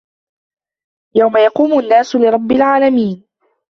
يوم يقوم الناس لرب العالمين